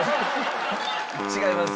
違います。